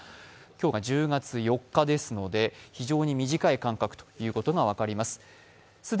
今日が１０月４日ですので非常に短い間隔ということが分かります。